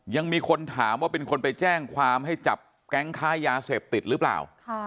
ยังมีคนถามว่าเป็นคนไปแจ้งความให้จับแก๊งค้ายาเสพติดหรือเปล่า